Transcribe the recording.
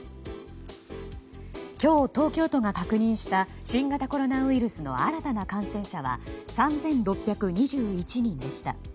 今日、東京都が確認した新型コロナウイルスの新たな感染者は３６２１人でした。